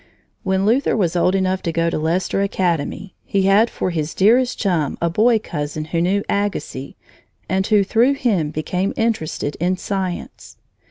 When Luther was old enough to go to Leicester Academy, he had for his dearest chum a boy cousin who knew Agassiz, and who through him became interested in science.